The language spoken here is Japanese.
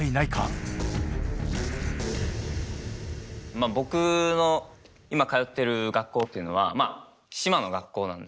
まあ僕の今通ってる学校っていうのはまあ島の学校なんです。